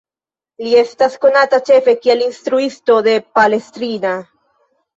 Li estas konata ĉefe kiel instruisto de Palestrina.